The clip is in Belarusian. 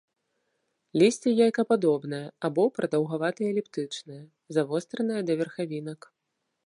Лісце яйкападобнае або прадаўгавата-эліптычнае, завостранае да верхавінак.